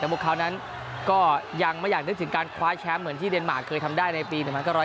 แต่พวกเขานั้นก็ยังไม่อยากนึกถึงการคว้าแชมป์เหมือนที่เดนมาร์เคยทำได้ในปี๑๙